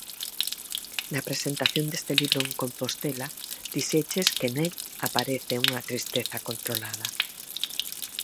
Na presentación deste libro en Compostela, dixeches que nel aparece unha tristeza controlada.